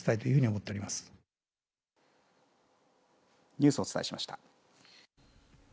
ニュースをお伝えしました。